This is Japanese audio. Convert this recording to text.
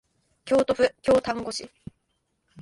京都府京丹後市